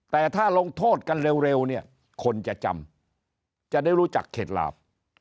แต่ถ้าลงโทษกันเร็วเนี่ยคนจะจำจะได้รู้จักเข็ดหลาบ